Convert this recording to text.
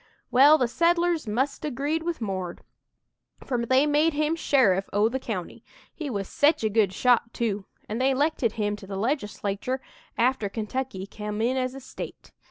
"Well, the settlers must 'a' 'greed with 'Mord,' for they made him sheriff o' the county he was sech a good shot, too an' they 'lected him to the Legislatur' after Kentucky come in as a State.